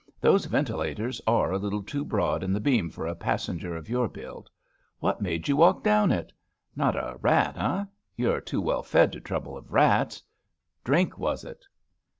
Those ventilators are a little EEASTASIUS OF THE WHANGHOA 5 too broad in the beam for a passenger of your build. What made you walk down it? Not a rat, eh? You're too well fed to trouble of rats. Drink was it.